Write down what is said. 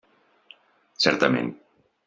Certament.